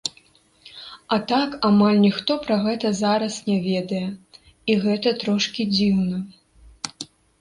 А так амаль ніхто пра гэта зараз не ведае, і гэта трошкі дзіўна.